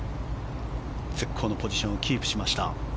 絶好のポジションをキープしました。